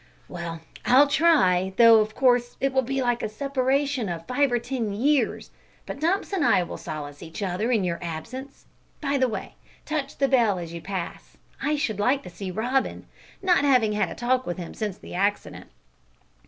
"Well, I'll try, though of course it will be like a separation of five or ten years, but Dumps and I will solace each other in your absence. By the way, touch the bell as you pass. I should like to see Robin, not having had a talk with him since the accident."